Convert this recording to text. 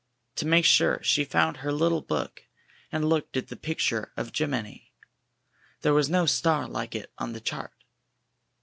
To make sure, she found her little book, and looked at the picture of Gemini. There was no star like it on the chart.